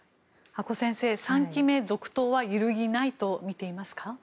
阿古先生、３期目続投は揺るぎないと見ていますか？